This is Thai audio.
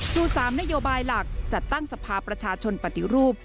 ชู๓นโยบายหลักจัดตั้งสภาประชาชนปฏิรูป